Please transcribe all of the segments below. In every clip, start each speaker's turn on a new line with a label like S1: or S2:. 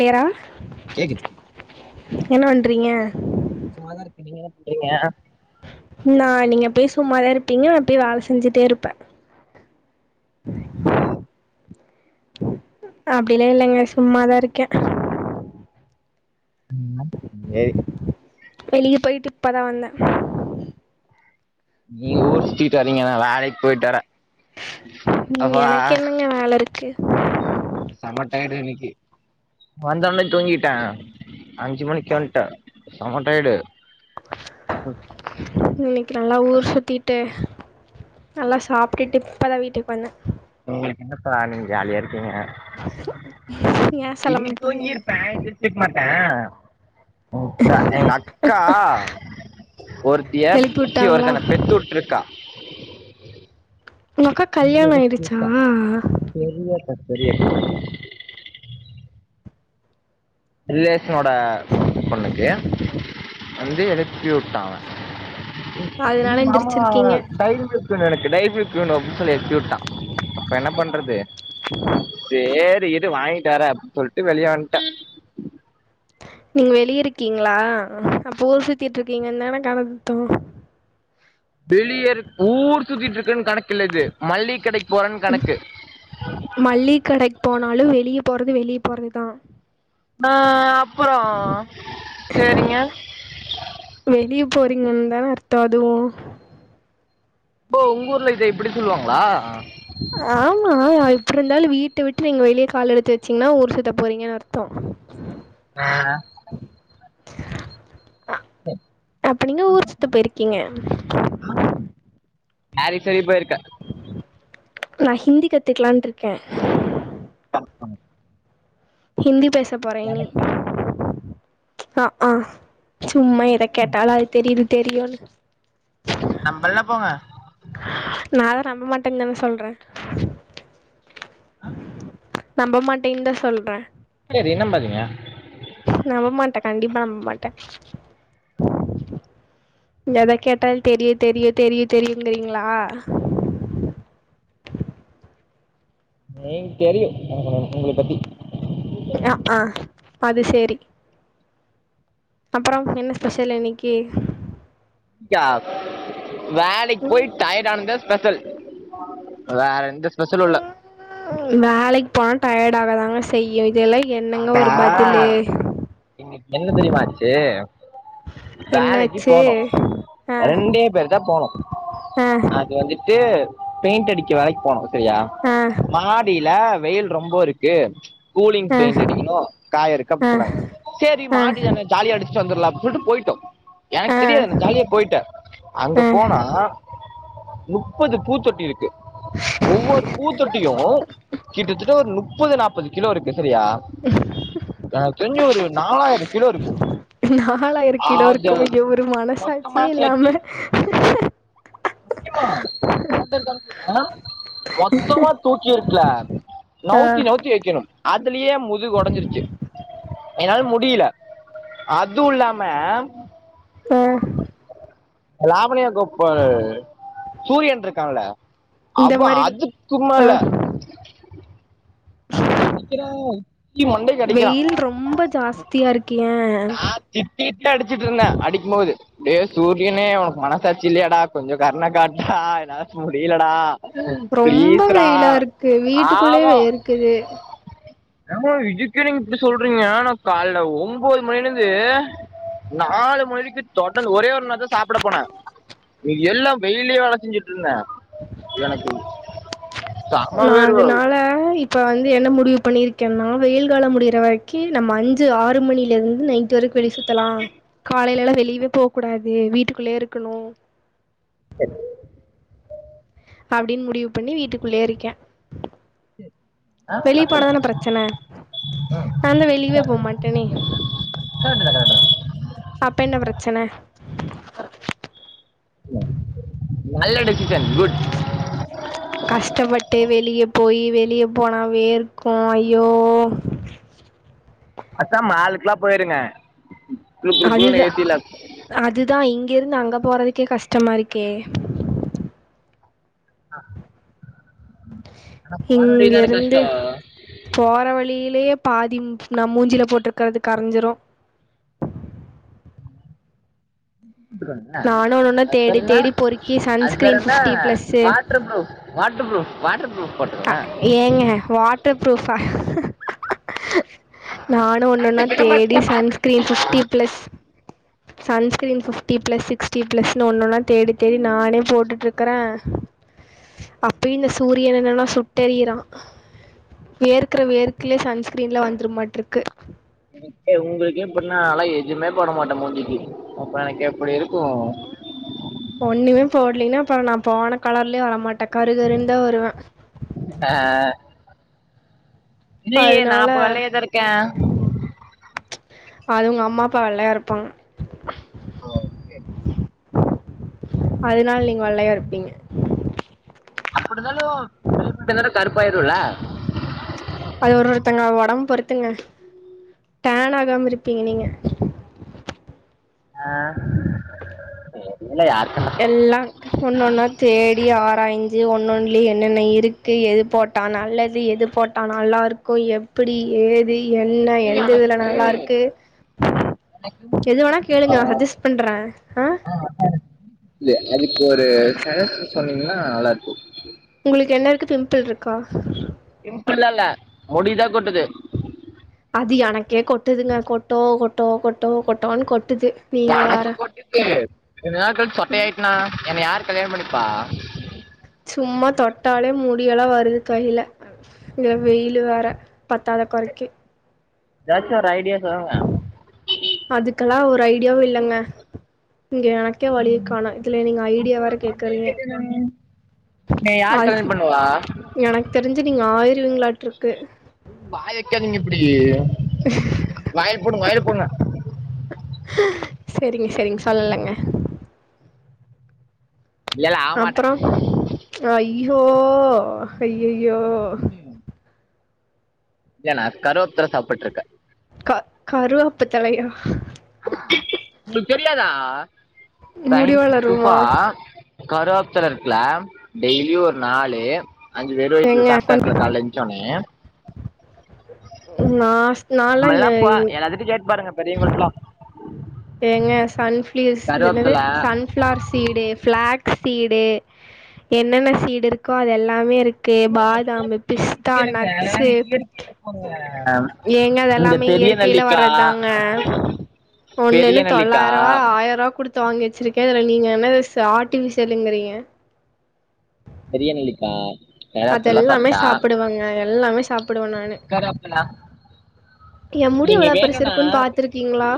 S1: பேரா என்ன பண்றீங்க
S2: இருங்க
S1: நான் நீங்க போய் சும்மாதா இருப்பீங்க அப்டே வேல செஞ்சிட்டே இருப்பே
S2: வீளா
S1: அப்டிலா இல்லைங்க சும்மாதா இருக்கே
S2: சும்மா சேரி
S1: இப்பதா வந்த
S2: நீங்கலான் வேலைக்கு போயிட்டு வர
S1: ம் எனக்கு என்னங்க வேல இருக் கே
S2: சமட்டாயடு இன்னிக்கு வந்தொன்னே தூங்கிட்டே அஞ்சு மணிக்கே வன்ட்ட செம டயடு ஹ
S1: ன்னி கி நல்லா ஊர் சுத்திட்டு நல்லா சாப்புட்டுட்டு இப்பதா வீட்டுக்கு வந்தே
S2: உங்களுக்கு என்னப்பா நீங்க ஜாலியா இருக்கீங்க
S1: ஏன் சொல்ல
S2: இன்னி
S1: மாட்டீங்க
S2: தூங்கிருப்பே எந்திருச்சிக்மாட்டே எங்க அக்கா ஒருத்திய
S1: எழுப்பி
S2: ச்சீ
S1: விட்டாங்களா
S2: ஒருத்தன பெத்துவுட்டுருக்கா
S1: உங்க அக்கா கல்யாணோ ஆயிடிச்சா
S2: பெரிய அக்கா பெரிய அக்கா இல்லேஸ் ன்னோட பொண்ணுக்கு வந்து எழுப்பியு டா அவே நீ
S1: அதனால
S2: மாமா ஆவர
S1: எந்திரிச்சிருக்கீங்க
S2: டைம் த்துனு எனக்கு டைமில்க் வேணு த்து எக்யூட்டா அப்ப என்ன பண்றது சே த் இரு வாங்கிட்டுவரே அப்பிடின்னு சொல்ட்டு வெளிய வந்ட்டே
S1: நீங்க வெளியிருக்கீங்களா அப்ப ஊர் சுத்திட்டுருக்கீங்கதான கணத்தோ
S2: பெளியருக் ஊர் சுத்திட்டு இருக்குன்னு கணக்கு இல்ல இது மல்லிகடைக்கு போறே கணக்கு
S1: ட்றது வெளிய போறதுதா
S2: ஆ அப்புறோ சேரிங்க
S1: பிங்கனுதான அர்த்தோ அதுவு
S2: போ உங்கூர்ல இதே இப்பிடி சொல்லுவாங்களா
S1: ப்ருந்தாலு வீட்ட விட்டு நீங்க வெளியே கால் எடுத்து வச்சீங்கன்னா ஊர் சுத்த போறீங்கனு அர்த்தோ
S2: ஆ
S1: [inaudible] அப்ப நீங்க ஊர்சுத்த போயிருக்கீங்க
S2: மாரி சரி போயிருக்க
S1: நா ஹிந்தி கத்துக்லான்ருக்கே
S2: அ‌ ஆ
S1: ஹிந்தி பே ச போறே இனி
S2: தெரியும்
S1: அ ஆ சும்மா எத கேட்டாலு அது தெரியு‌ இது தெரியுனு
S2: நம்பல்னா போங்க
S1: நா தா நம்ப மாட்டென் தான சொல்றே
S2: அ
S1: நம்ப மாட்டேன் தா சொல்றே
S2: ஏ நம்பலயா
S1: நம்ப மாட்டே கண்டிப்பா நம்ப மாட்டே எத கேட்டாலு தெரியு தெரியு தெரியு தெரியுங்கிறீங்ளா
S2: ஏங் தெரியு உங்ள உங்கள பத்தி
S1: ஆ ஆ அது சேரி அப்பறொ என்ன ஸ்பெஷல் இன்னக்கி
S2: க்யா வேலைக்
S1: ம்
S2: போய் டயர்ட் ஆன தா ஸ்பெஷல் வேற எந்த ஸ்பெஷலும் இல்லை
S1: வேலைக் போனா டயர்ட் ஆகதாங்க செய்யு
S2: அதா இன்னக்கி என்ன தெரிமா ஆச்சு வேலைக்கு
S1: என்னாச்சு
S2: போனோ
S1: ஆ
S2: ரெண்டே பேரு தா போனோ
S1: ஆ
S2: அது வந்துட்டு பெயிண்ட் அடிக்க வேலைக் போனோ செரியா
S1: ஆ ஆ
S2: மாடில வெயில் ரொம்ப இருக்கு கூலிங் பெயிண்ட் அடிக்கணு காய இருக்கு
S1: ஆ
S2: அப்டி சொன்னாங்க சேரி
S1: ஆ
S2: மாடி தான ஜாலியா அடிச்சுட்டு வந்துர்லா அப்பி சொல்ட்டு போயிட்டோ
S1: ஆ
S2: எனக் தெரியாது நா
S1: ஆ
S2: ஜாலியா போயிட்டே அங்க போனா முப்பது பூத்தொட்டி இருக்கு ஒவ்வொரு பூத்தொட்டியு கிட்டத்தட்ட ஒரு முப்பது நாப்பது கிலோ இருக்கு சரியா எனக் தெருஞ்சு ஒரு நாலாயிர கிலோ இருக்கு
S1: நாலாயிர கிலோ இருக்கும அய்யோ ஒரு மனசாட்சியே இல்லாம
S2: [inaudible] ஆ மொத்தமா தூக்கி இருக்குல
S1: ஆ
S2: நவுத்தி நவுத்தி வக்கெணும் அதுலயே முதுகு ஓடைஞ்சிருச்சு என்னால முடியல அதுவு இல்லாம
S1: ஆ
S2: லாவணியா கோப்பள் சூரியன் இருக்காங்கள
S1: இந்த
S2: அவ
S1: மாரி
S2: அதுக்கு
S1: ஆ
S2: மேல தீ
S1: வெயில் ரொம்ப ஜாஸ்த்தியா இருக்
S2: நா திட்டிட்டே அடிச்சிட்டு இருந்தே அடிக்கும் போது டேய் சூரியனே ஓனக்கு மனசாச்சி இல்லையாடா கொஞ்ச கரண காட்டுடா என்னால முடியலடா
S1: ரொம்ப
S2: ப்ளீஸ்ரா
S1: வெயிலா இருக்கு வீட்டுக்குள்ளயே வேருக்குது
S2: ஆ இதுக்கே நீங்க இப்டி சொல்றீங்க நா கால்ல ஓம் ஓம்பது மணிலந்து நாலு மணிக்கு தொடர் ஒரே ஒரு நேர சாப்ட போன மீதி எல்லா வெயில்லே வேல செஞ்சுட்டு இருந்தே எனக்கு செம்ம வேறுவே
S1: இப்ப வந்து என்ன முடிவு பண்ணிருக்கேன்னா வெயில் காலம் முடிற வரைக்கு நம்ம அஞ்சு ஆறு மணில இருந்து நைட் வரைக்கு வெளி சுத்தலா காலையல எல்லா வெளியவே போக கூடாது வீட்டுக்குள்ளயே இருக்கணு அப்டின் முடிவு பண்ணி வீட்டுக்குள்ளேயே இருக்கே
S2: ஆ,
S1: வெளிய
S2: தப்பில்ல.
S1: போனாதானே பிரச்சன நாந்த வெளியவே போ மாட்டேனே
S2: தான், தான்.
S1: அப்ப என்ன பிரச்சன
S2: நல்ல டிசிசன் குட்
S1: கஷ்டப்பட்டு வெளியே போய் வெளியே போனாவே வேர்க்கு ஐய்யோ
S2: அக்கா மாலுக்கெல்லா போயிருங்க குளு குளு குளுன்னு
S1: அதுதா
S2: ஏசியில்
S1: அதுதா இங்க இருந்து அங் அங்க போறதுக்கே கஷ்டமா இருக்கே
S2: ஆ
S1: இங்க இருந்து
S2: கஷ்டம்
S1: போற வழியிலேயே பாதி ம் நா மூஞ்சில போட்ருக்கறது கரைஞ்சிரு
S2: த்துக்கு
S1: நானு ஒன்னொன்னா
S2: அது பேரு
S1: தேடி
S2: என்ன
S1: தேடி பொறுக்கி
S2: அது பேரு
S1: சன்ஸ்கிரீன்
S2: என்ன
S1: fifty plus
S2: water proof water proof water proof
S1: அ ஏங்க வாட்டர் ப்ரூஃபா ஹ் நானு ஒண்ணு ஒண்ணா தேடி sunscreen fifty plus sunscreen fifty plus sixty ப்ளஸ்ன்னு ஒண்ணுன்னா தேடி தேடி நானே போட்டுட்டு இருக்கறே அப்பயு இந்த சூரியன் என்னன்னா சுட்டெறிறா வேற்கிற வேர்க்கலே சன்ஸ்கிரீன்ல வந்துரு மாட் இருக்கு
S2: என உங்களுக்கே இப்டினா நாலா எதுமே போட மாட்டே மூஞ்சிக்கு அப்ப எனக்கு எப்டி இருக்கு
S1: ஒண்ணுமே போட்லீன்னா அப்பற நா போன கலர்லயே வரட்டே கருகருந்தா வருவே
S2: ஆ இல்லையே நா அப்ப வெள்ளையாதா இருக்கே
S1: அது உங்க அம்மா அப்பா வெள்ளையா இருப்பாங்க
S2: ஆ ஓகே
S1: அதனால நீங்க வெள்ளையா இருப்பீங்க
S2: அ இருந்தாலு வெயிலுக்கு கருப்பாயிருவேல
S1: த்துங்க டேன் ஆகாம இருப்பீங்க நீங்க
S2: ஆ இல்ல யார் கண்டா
S1: எல்லா ஒன்னொன்னா தேடி ஆராஞ்சு ஒன்னொன்னலயு என்னென்ன இருக்கு எது போட்டா நல்லது எது போட்டா நல்லா இருக்கு எப்படி ஏது என்ன எந்த இதுல நல்லா இருக்கு எது வேணா
S2: ஆ
S1: கேளுங்க சஜ்ஜஸ்ட் பண்றே ஆ
S2: இல்ல அதுக்கு ஒரு கலர் சொன்னீங்கன்னா நல்லா இருக்கு
S1: உங்களுக்கு எல்லாருக்கு பிம்பிள் இருக்கா
S2: பிம்புல்லா இல்ல முடிதா கொட்டுது
S1: அது எனக்கே கொட்டுதுங்க கொட்டோ கொட்டோ கொட்டோ கொட்டோனோனு கொட்ட கொட்டுது நீங்க வேற
S2: எனக்கு கொட்டுது கொஞ்ச நாள் கழுச்சு சொட்டயாருச்னா என்ன யாரு கல்யாணம் பண்ணிப்பா
S1: சும்மா தொட்டாலே முடியெல்லா வருது கையில இதுல வெயிலு வேற பத்தாத கொறைக்கு
S2: எதாச்சு ஒரு ஐடியா சொல்லுங்க
S1: அதுக்கெல்லா ஒரு ஐடியாவு இல்லங்க இங்க எனக்கே வழிய கானாய் இதுல நீங்க ஐடியா வேற கேக்குறீங்க
S2: என்னய யாரு கல்யாண
S1: அதுசி
S2: பண்ணுவா
S1: எனக்கு தெரிஞ்சு நீங்க ஆயிர தருவிங்களாட்டு இருக்கு
S2: உம் வாய வெக்காதீங்க இப்டி வாய்ல போடுங்க வாய்ல பூன
S1: ம் சரிங்க சரிங்க சொல்லலங்க
S2: இல்ல இல்ல ஆக மாட்டேன்
S1: அப்றம் அயி ய்யோ ஹய்யய் ய்யோவ்வ்
S2: இல்ல நா கருவாத்தர சாப்புட்ருக்கே
S1: க கருவாப்ப தழயா
S2: ஆமா உங்ளுக் தெரியாதா?
S1: முடிவளருமா
S2: கருவாப்தழ இருக்குல டெய்லி ஒரு நாலு அஞ்சு வெறு வயித்ல
S1: ஏங்க பண்
S2: சாப்டாப்ள காலைல எஞ்ச்ச உடனே
S1: நா நாலா இந்த
S2: நம்மல்லா பா எல்லாத்துட்ட கேட்டு பாருங்க பெரியவுங்கள்டலா
S1: ஏங்க சன்ஃப்ளியஸ் என்னது சன்ஃப்ளார் சீடு ஃபிளாக்ஸ் சீடு என்னென்ன சீடு இருக்கோ அது எல்லாமே இரு க்கு பாதாமு பிஸ்தா
S2: கேளுங்க
S1: நட்ஸு
S2: இயற்கையில போங்க
S1: ஏங்க
S2: இந்த
S1: அதெல்லாமே
S2: பெரிய
S1: இயற்கைல
S2: நெல்லிக்காய்
S1: வர்றதுதாங்க
S2: பெரிய
S1: ஒன்னென்னு தொள்ளாயருவா
S2: நெல்லிக்காய்
S1: ஆயருவா குடுத்து வாங்கி வச்சிருக்கே இதுல நீங்க என்னது ச ஆர்டிஃபிஷியலுங்கிறீங்க
S2: பெரிய நெல்லிக்காய் கருவேப்பிலாம்
S1: அதெல்லாமே
S2: சாப்பிட்டா
S1: சாப்புடுவங்க எல்லாமே சாப்புடுவ நானு
S2: கருவேப்பிலை
S1: எ முடி எவ்ள
S2: நீங்கள் வேணும்னா
S1: பெருசுருக்குன் பாத்துருக்கீங்ளா?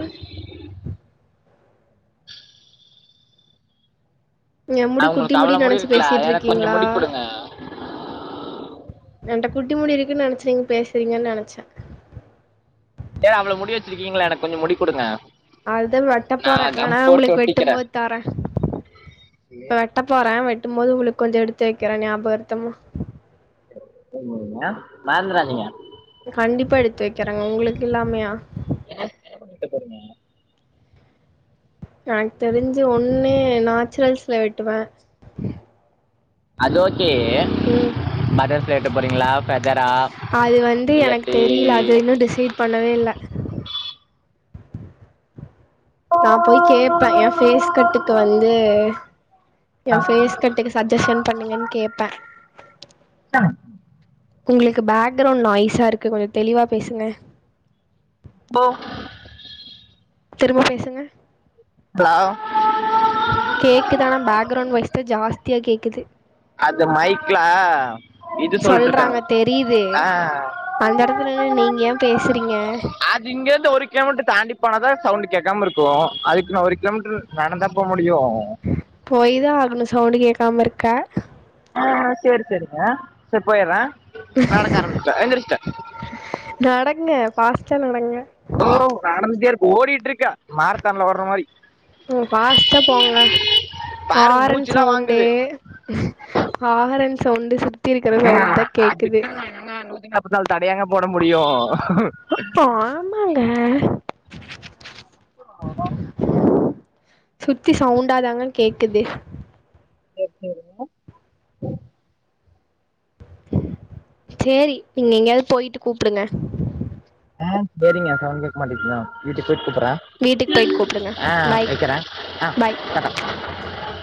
S1: எ முடி குட்டி
S2: அவங்களுக்கு
S1: முடி
S2: அவ்வளோ
S1: நெனச்சு
S2: இருக்குல்ல எனக்கு கொஞ்சம்
S1: பேசிட்ருக்கீங்களா
S2: முடி கொடுங்க
S1: என்ட்ட குட்டி முடி இரு க்குன் நெனச்சு நீங்க பேசுறீங்கன் நனச்சே
S2: ஏ அவ்ள முடி வச்சிருக்கீங்ல எனக்கு கொஞ்சொ முடி குடுங்க
S1: அதுதா வெட்டப் போறே வேனா ஒங்களுக்கு வெட்டும்
S2: ஒட்டிக்கிறேன்
S1: போது தரே இப்ப வெட்ட போறே வெட் டும் போது உங்களுக் கொஞ்ச எடுத்து வக்கிறே ஞாபகர்த்தமா
S2: செரிங்க மறந்துராதீங்க
S1: கண்டிப்பா எடுத்து வக்கிறெங்க உங்களுக் இல்லாமயா
S2: வெட்டப் போறீங்க
S1: எனக் தெருஞ்சு ஒன்னு நாச்சுரல்ஸ்ல வெட்டுவே
S2: அது ஓ கே
S1: ம்
S2: பட்டர்ஃப்ளை வெட்ட போறீங்களா ஃபெதரா
S1: அது வந்து எனக்கு
S2: இல்லாட்டி
S1: தெரியில அது இன்னு டிசைட் பண்ணவே இல்ல நா போய் கேப்ப எ ஃபேஸ்கட்டுக்கு வந்து எ ஃபேஸ் கட்டுக்கு சஜ்ஜஷன் பண்ணுங்கன் கேப்ப
S2: [unintelligible]
S1: உங்ளுக்கு பேக்கிரவுண்ட் நாய்ஸா இருக்கு கொஞ்சொ தெளிவா பேசுங்க
S2: போ
S1: திரும்ப பேசுங்க
S2: [unintelligible]
S1: கேக்குதானா பேக்கிரவுண்ட் வைஸ்தா ஜாஸ்தியா கேக்குது
S2: அது மைக்லா இது சொல்ட்டுருக்காங்க
S1: சொல்கிறாங்க தெரியுது
S2: அ
S1: அந்த இடத்துல நின்னு நீங்கள் ஏன் பேசுகிறீங்க
S2: அது இங்கருந்து ஒரு கிலோமீட்டர் தாண்டி போனதா சவுண்ட் கேட்காம இருக்கு அதுக்கு நா ஒரு கிலோமீட்டர் நடந்தாபோ முடியு
S1: போய்தா ஆகணு சவுண்ட் கேக் க்காமர்க்க
S2: ஆ சேரி சேரிங்க சேரி போய்றே நடக்க ஆரம்பிச்டே எந்திச்டே
S1: பாஸ்டா நடங்க
S2: ஓ நடந்தே இருக் ஓடிட்டுருக்கா மாரத்தான்ல ஓடற மாரி
S1: ம் பாஸ்டா போங்க
S2: பாருங்க மூச்சுலாம்
S1: ஆரன்சவுண்டு
S2: வாங்குது
S1: ஆரஞ் சவுண்டு சு
S2: ஆ [unintelligible] [unintelligible] தடையாங்க போட முடியு
S1: ஆமாங்க
S2: ஆமா
S1: சுத்தி சவுண்டாதாங்க கேக்குது
S2: எப்பிடிருந்து
S1: சேரி நீங்க எங்கேயாது போயிட்டு கூப்டுங்க
S2: ஆ சேரிங்க சவுன்ட் கேக்மாட்டுது தா வீட்டு போயிட்டு கூப்பறே
S1: வீட்டுக்கு போயிட்டு கூப்பிடுங்க
S2: ஆ
S1: பாய்
S2: வைக்கறே
S1: பாய்
S2: ஆ [unintelligible]